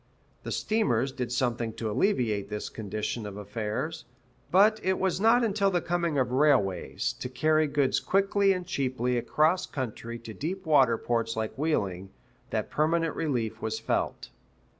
The steamers did something to alleviate this condition of affairs; but it was not until the coming of railways, to carry goods quickly and cheaply across country to deep water ports like Wheeling, that permanent relief was felt.